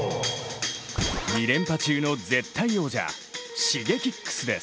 ２連覇中の絶対王者Ｓｈｉｇｅｋｉｘです。